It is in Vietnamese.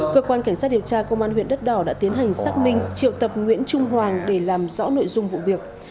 cơ quan cảnh sát điều tra công an huyện đất đỏ đã tiến hành xác minh triệu tập nguyễn trung hoàng để làm rõ nội dung vụ việc